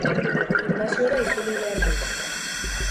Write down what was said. Gimnasiora itzuli behar dut.